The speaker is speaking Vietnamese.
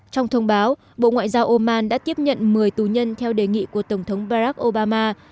trong thông báo bộ ngoại giao oman đã tiếp nhận một mươi tù nhân theo đề nghị của tổng thống barack obama